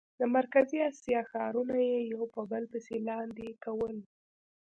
د مرکزي اسیا ښارونه یې یو په بل پسې لاندې کول.